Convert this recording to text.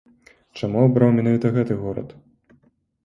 Чаму абраў менавіта гэты горад?